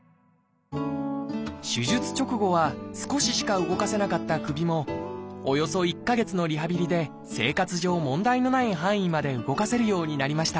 手術直後は少ししか動かせなかった首もおよそ１か月のリハビリで生活上問題のない範囲まで動かせるようになりました。